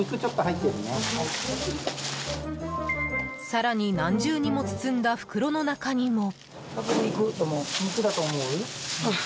更に何重にも包んだ袋の中にも。